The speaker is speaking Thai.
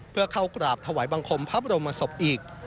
เพื่อเข้ากราบถวายบังคมพระบรมศพอีก